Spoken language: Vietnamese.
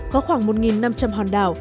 có khoảng một năm trăm linh hòn đảo